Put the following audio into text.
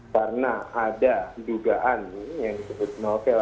karena ada dugaan yang disebut novel